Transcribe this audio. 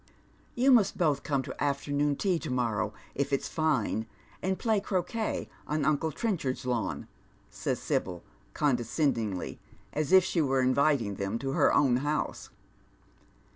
" You must both come to afternoon tea to morrow, if it's fine, and play croquet on uncle Trenchard's lawn," says Sibyl, con descendingly, as if she were invking them to her own house.